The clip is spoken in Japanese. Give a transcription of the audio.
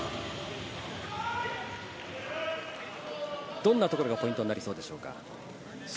どんなところがポイントになりそうでしょうか？